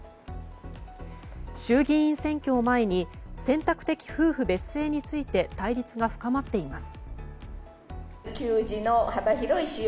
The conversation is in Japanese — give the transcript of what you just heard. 衆議院選挙を前に選択的夫婦別姓について対立が深まっています。